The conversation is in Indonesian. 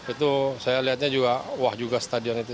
itu saya lihatnya juga wah juga stadion itu